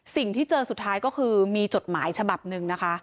สิ่งที่เจอสุดท้ายก็คือมีจดหมายฉบับหนึ่งนะคะ